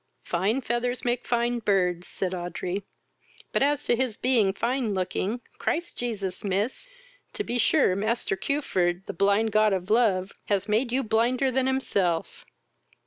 "Fine feathers make fine birds, (said Audrey,) but as to his being fine looking, Christ Jesus, miss, to be sure master Cuford, the blind god of love, has made you blinder than himself."